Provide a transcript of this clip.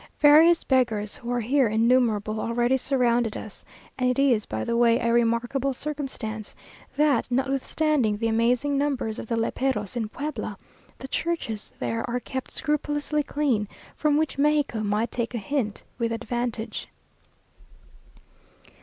Various beggars, who are here innumerable, already surrounded us; and it is, by the way, a remarkable circumstance, that notwithstanding the amazing numbers of the léperos in Puebla, the churches there are kept scrupulously clean, from which Mexico might take a hint with advantage.